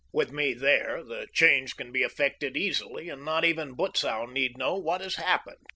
With me there, the change can be effected easily, and not even Butzow need know what has happened.